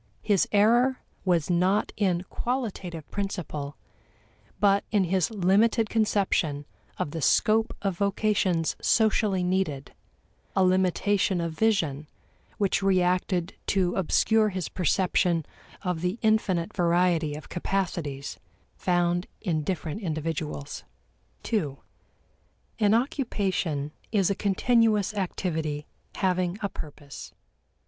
His error was not in qualitative principle, but in his limited conception of the scope of vocations socially needed; a limitation of vision which reacted to obscure his perception of the infinite variety of capacities found in different individuals. 2. An occupation is a continuous activity having a purpose.